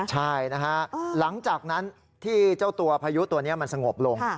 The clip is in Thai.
ใช่นะฮะหลังจากนั้นที่เจ้าตัวพายุตัวนี้มันสงบลง